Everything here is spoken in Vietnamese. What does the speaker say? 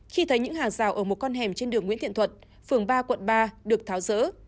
khi thấy những hàng rào ở một con hẻm trên đường nguyễn thiện thuật phường ba quận ba được tháo rỡ